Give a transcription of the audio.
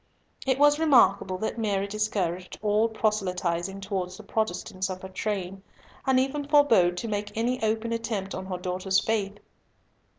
It was remarkable that Mary discouraged all proselytising towards the Protestants of her train, and even forbore to make any open attempt on her daughter's faith.